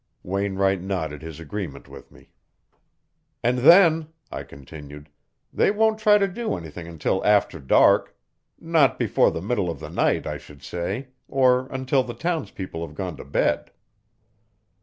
Wainwright nodded his agreement with me. "And then," I continued, "they won't try to do anything until after dark not before the middle of the night, I should say or until the townspeople have gone to bed."